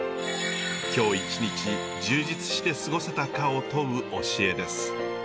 今日一日充実して過ごせたかを問う教えです。